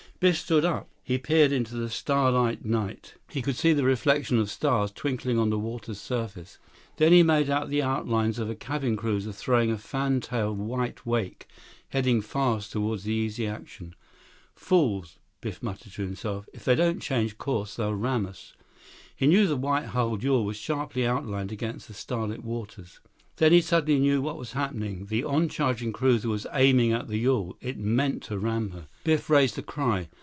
Biff stood up. He peered into the starlight night. He could see the reflection of stars twinkling on the water's surface. Then he made out the outlines of a cabin cruiser throwing a fan tail white wake, heading fast toward the Easy Action. "Fools," Biff muttered to himself, "if they don't change course, they'll ram us." He knew the white hulled yawl was sharply outlined against the starlit waters. Then he suddenly knew what was happening. The on charging cruiser was aiming at the yawl. It meant to ram her. Biff raised a cry.